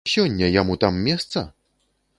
Сёння яму там месца?